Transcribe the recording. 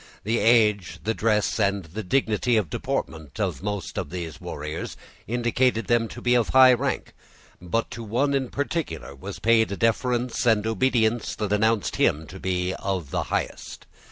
The age, the dress, and the dignity of deportment of most of these warriors, indicated them to be of high rank; but to one in particular was paid a deference and obedience that announced him to be of the highest.